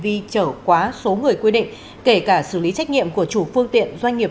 vi phạm hỗ trợ quá số người quy định kể cả xử lý trách nhiệm của chủ phương tiện doanh nghiệp